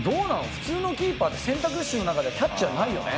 普通のキーパーって選択肢の中でキャッチはないよね？